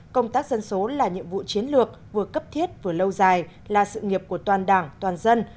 công tác dân số là nhiệm vụ chiến lược vừa cấp thiết vừa lâu dài là sự nghiệp của toàn đảng toàn dân